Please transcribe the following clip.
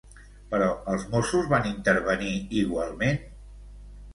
Però, els Mossos van intervenir igualment?